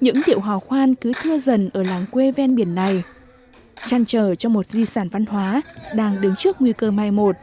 những điệu hò khoan cứ thưa dần ở làng quê ven biển này chăn trở cho một di sản văn hóa đang đứng trước nguy cơ mai một